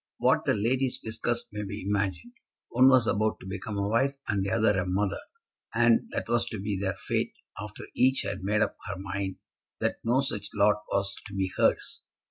What the ladies discussed may be imagined. One was about to become a wife and the other a mother, and that was to be their fate after each had made up her mind that no such lot was to be hers.